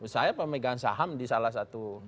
saya pemegang saham di salah satu